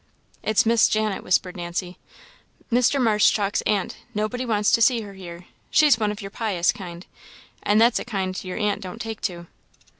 "It's Miss Janet," whispered Nancy "Mr. Marshchalk's aunt. Nobody wants to see her here; she's one of your pious kind, and that's a kind your aunt don't take to."